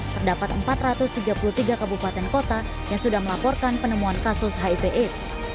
terdapat empat ratus tiga puluh tiga kabupaten kota yang sudah melaporkan penemuan kasus hiv aids